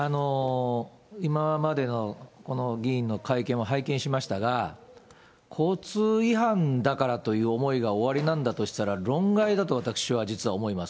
今までのこの議員の会見を拝見しましたが、交通違反だからという思いがおありなんだとしたら、論外だと私は実は思います。